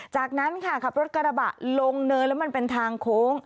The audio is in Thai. จากนั้นค่ะขับรถกระบะลงเนินแล้วมันเป็นทางโค้ง